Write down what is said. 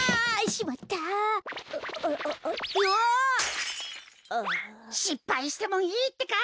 しっぱいしてもいいってか！